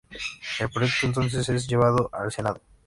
El proyecto entonces es llevado al Senado.